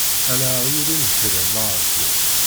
Ala aɣyul i i inekṛen laṣel-is.